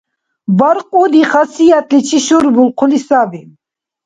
Баркьуди хасиятличи шурбулхъули саби